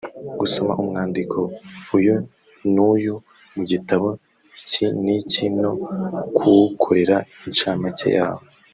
gusoma umwandiko uyu n’uyu mu gitabo iki n’iki no kuwukorera incamake yawo